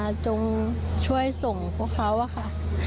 จงช่วยส่งพวกเขาอะค่ะ